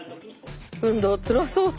運動つらそう。